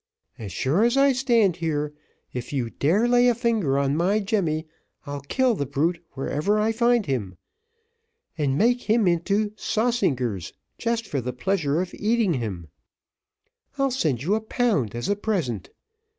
As sure as I stand here, if you dare to lay a finger on my Jemmy, I'll kill the brute wherever I find him, and make him into saussingers, just for the pleasure of eating him. I'll send you a pound as a present.